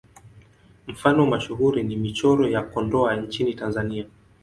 Mfano mashuhuri ni Michoro ya Kondoa nchini Tanzania.